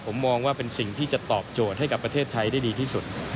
ผมมองว่าเป็นสิ่งที่จะตอบโจทย์ให้กับประเทศไทยได้ดีที่สุด